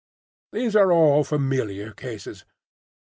These are all familiar cases.